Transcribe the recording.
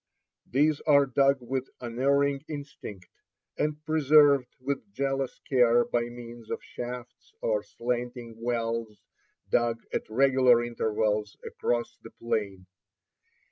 These are dug with unerring instinct, and preserved with jealous care by means of shafts or slanting wells dug at regular intervals across the plain.